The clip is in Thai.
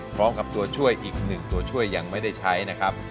พร้อมกับตัวช่วยอีก๑ตัวช่วยยังไม่ได้ใช้นะครับ